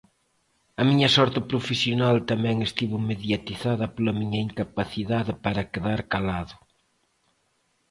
A miña sorte profesional tamén estivo mediatizada pola miña incapacidade para quedar calado.